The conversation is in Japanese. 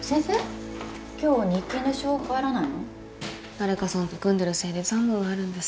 誰かさんと組んでるせいで残務があるんです。